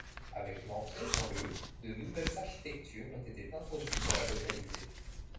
Avec l'entrée dans le de nouvelles architectures ont été introduites dans la localité.